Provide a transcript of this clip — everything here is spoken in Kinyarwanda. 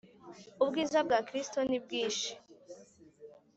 Ubwiza bwa Kristo nibwishi.